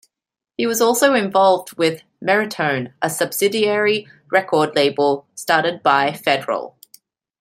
He was also involved with Merritone, a subsidiary record label started by Federal.